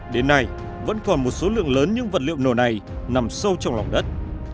đến nay vẫn còn một số lượng lớn những vật liệu nổ này nằm sâu trong lòng đất